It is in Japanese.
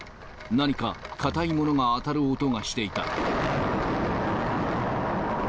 何か硬いものが当たる音がしていた。